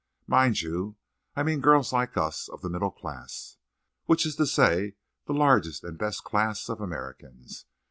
Mind you, I mean, girls like us, of the middle class—which is to say the largest and best class of Americans.